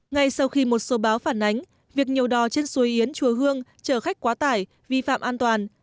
ngay sau khi một số báo phản ánh việc nhiều đò trên suối yến chùa hương chở khách quá tải vi phạm an toàn